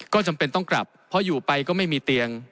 ก็จำเป็นต้องกลับเพราะอยู่ไปก็ไม่มีเตียง